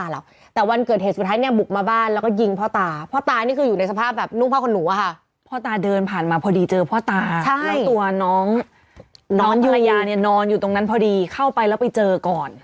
แล้วตัวน้องนอนอยู่ตรงนั้นพอดีเข้าไปแล้วไปเจอก่อน